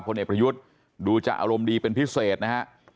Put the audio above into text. เอกประยุทธ์ดูจะอารมณ์ดีเป็นพิเศษนะฮะ